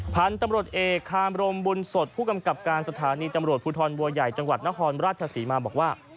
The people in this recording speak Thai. พันธุ์ตำรวจเอกคามรมบุญสดผู้กำกับการสถานีตำรวจภูทรบัวใหญ่จังหวัดนครราชศรีมาบอกว่า